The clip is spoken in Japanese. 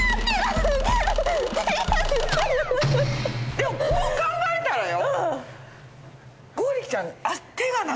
でもこう考えたらよ。